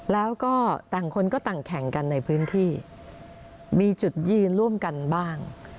แล้วก็ต่างคนก็ต่างแข่งกันในพื้นที่มีจุดยืนร่วมกันบ้าง